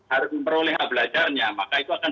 harus memperoleh hak belajarnya maka itu akan